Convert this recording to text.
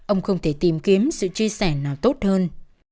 ông không thể tìm kiếm sự chia sẻ nào tốt hơn